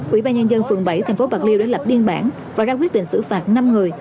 ủy ban nhân dân phường bảy tp bạc liêu đã lập biên bản và ra quyết định xử phạt năm người